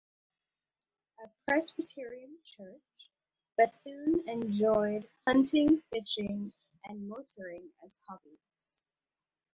A Presbyterian church, Bethune enjoyed hunting, fishing and motoring as hobbies.